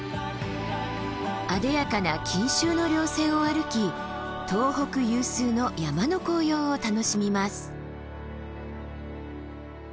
あでやかな錦繍の稜線を歩き東北有数の山の紅葉を楽しみます。